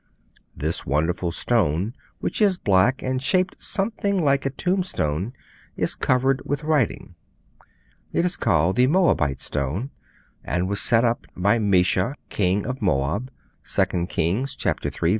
This wonderful stone, which is black and shaped something like a tombstone, is covered with writing. It is called 'The Moabite Stone,' and was set up by Mesha, king of Moab. (2 Kings iii. 4.)